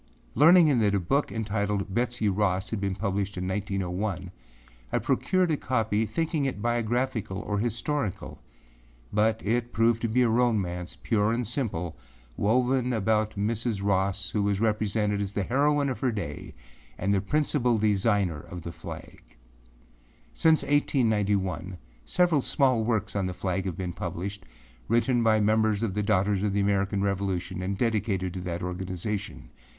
Learning that a book entitled âBetsey Rossâ had been published in 1901, I procured a copy thinking it biographical or historical but it proved to be a romance, pure and simple, woven about Mrs. Ross who is represented as the heroine of her day and the principal designer of the flag. Since 1891, several small works on the flag have been published, written by members of the Daughters of the American Revolution and dedicated to that organization.